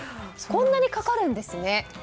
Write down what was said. こんなにかかるんですね。